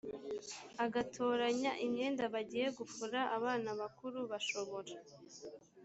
agatoranya imyenda bagiye gufura abana bakuru bashobora